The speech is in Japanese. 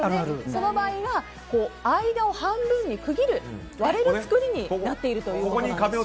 その場合は、間を半分に区切る割れる作りになっているということです。